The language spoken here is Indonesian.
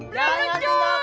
jalan yang geluk anang